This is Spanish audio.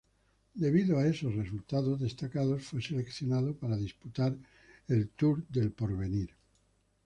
Debido a esos resultados destacados fue seleccionado para disputar el Tour del Porvenir.